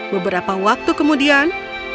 beberapa waktu kemudian